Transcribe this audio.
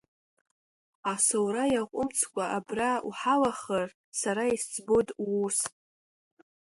Асоура иаҟәымҵкәа абра уҳалахар, сара исӡбоит уус.